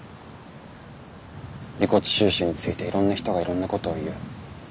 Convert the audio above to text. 「遺骨収集についていろんな人がいろんなことを言う。